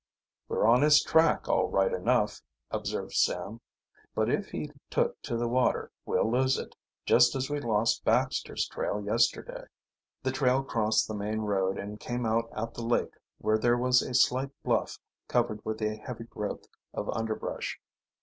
"We're on his track, all right enough," observed Sam. "But if he took to the water we'll lose it, just as we lost Baxter's trail yesterday." The trail crossed the main road and came out at the lake where there was a slight bluff covered with a heavy growth of underbrush.